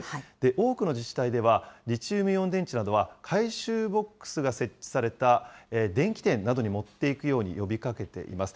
多くの自治体では、リチウムイオン電池などは回収ボックスが設置された電気店などに持っていくように呼びかけています。